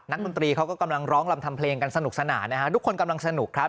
ดนตรีเขาก็กำลังร้องรำทำเพลงกันสนุกสนานนะฮะทุกคนกำลังสนุกครับ